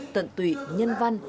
tận tụy nhân văn